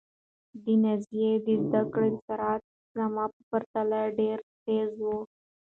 د نازيې د زده کړې سرعت زما په پرتله ډېر تېز و.